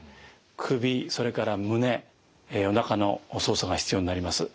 首それから胸おなかの操作が必要になります。